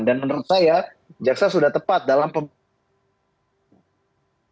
dan menurut saya jaksa sudah tepat dalam pembuatan